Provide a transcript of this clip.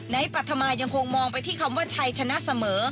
ปรัฐมายังคงมองไปที่คำว่าชัยชนะเสมอ